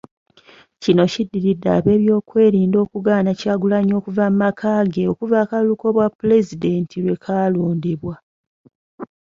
Kino kiddiridde ab'ebyokwerinda okugaana Kyagulanyi okuva mu maka ge okuva akalulu k'obwapulezidenti lwe kalondebwa.